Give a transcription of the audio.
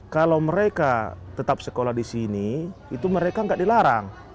kalau mereka tetap sekolah di sini itu mereka nggak dilarang